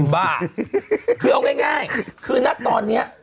บ้าคือเอาง่ายคือนะตอนนี้